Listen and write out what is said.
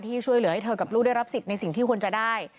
ช่วยเหลือให้เธอกับลูกได้รับสิทธิ์ในสิ่งที่ควรจะได้